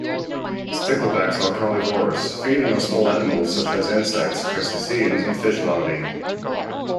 Sticklebacks are carnivorous, feeding on small animals such as insects, crustaceans and fish larvae.